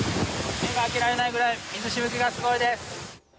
目が開けられないぐらい水しぶきがすごいです。